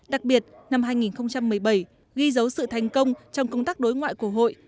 đặc biệt năm hai nghìn một mươi bảy ghi dấu sự thành công trong công tác đối ngoại của hội